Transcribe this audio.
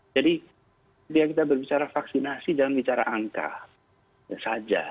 jadi kita berbicara vaksinasi dengan bicara angka saja